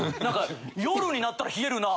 「夜になったら冷えるな」